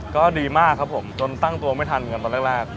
ก็ดีมากครับผมจนตั้งตัวไม่ทันกันตอนแรก